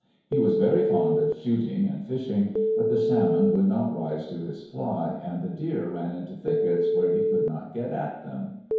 He was very fond of shooting and fishing; but the sahnon would not rise to his fly, and the deer ran into thickets where he could not get at them.